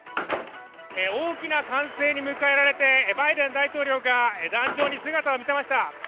大きな歓声に迎えられてバイデン大統領が壇上に姿を見せました。